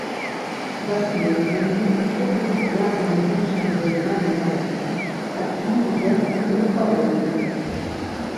Даследаванні ўсё больш звязаны з іншымі галінамі навукі, такімі, як кліматалогія.